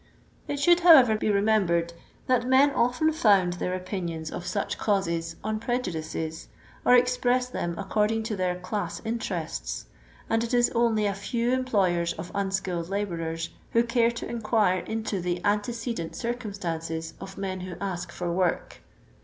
It should, however, be remembered, that men often found their opinions of such causes on pre judices, or express them according to their class interests, and it is only a few employers of un skilled labourers who care to inquire into the antecedent drcumstancet of men who ask for work.